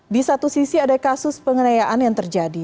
di satu sisi ada kasus pengenayaan yang terjadi